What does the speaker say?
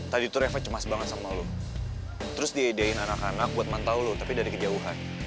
tadi tuh efek cemas banget sama lu terus diidein anak anak buat mantau lu tapi dari kejauhan